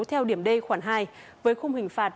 theo điểm d khoảng hai với khung hình phạt